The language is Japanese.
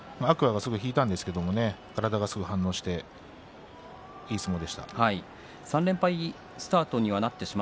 鋭い立ち合いから天空海がすぐ引いたんですけど体がすぐ反応していい相撲でした。